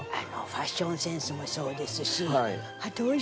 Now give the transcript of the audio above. ファッションセンスもそうですし。